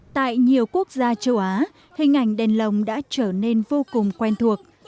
tại nhiều quốc gia châu á hình ảnh đèn lồng đã trở nên vô cùng quen thuộc